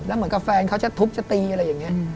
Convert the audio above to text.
เหมือนกับแฟนเขาจะทุบจะตีอะไรอย่างนี้